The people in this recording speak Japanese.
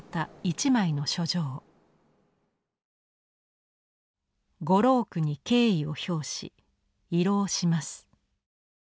「御労苦に敬意を表し慰労します」。